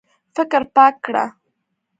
فکر پاک کړه.